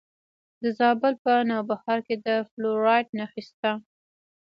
د زابل په نوبهار کې د فلورایټ نښې شته.